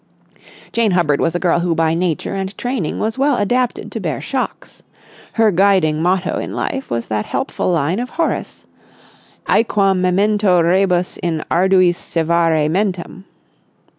Jane Hubbard was a girl who by nature and training was well adapted to bear shocks. Her guiding motto in life was that helpful line of Horace—Aequam memento rebus in arduis servare mentem.